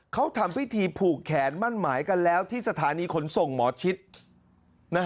เขาทำพิธีผูกแขนมั่นหมายกันแล้วที่สถานีขนส่งหมอชิด